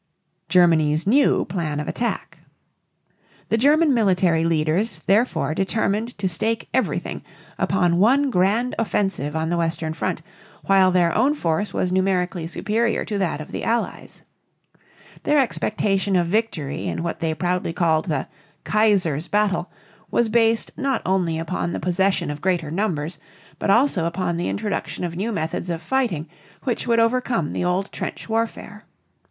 GERMANY'S NEW PLAN OF ATTACK. The German military leaders therefore determined to stake everything upon one grand offensive on the western front while their own force was numerically superior to that of the Allies. Their expectation of victory in what they proudly called the "Kaiser's battle," was based not only upon the possession of greater numbers, but also upon the introduction of new methods of fighting which would overcome the old trench warfare.